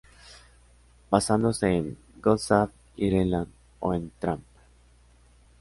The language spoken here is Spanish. Basándose en "God Save Ireland" o en "Tramp!